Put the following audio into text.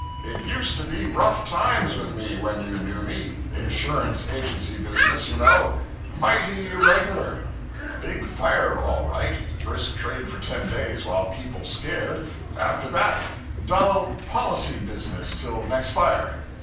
It used to be rough times with me when you knew me insurance agency business, you know; mighty irregular. Big fire, all right brisk trade for ten days while people scared; after that, dull policy business till next fire.